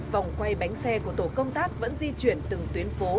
vòng quay bánh xe của tổ công tác vẫn di chuyển từng tuyến phố